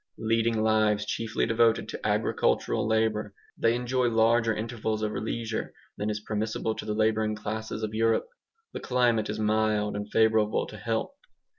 Leading lives chiefly devoted to agricultural labour, they enjoy larger intervals of leisure than is permissible to the labouring classes of Europe. The climate is mild, and favourable to health.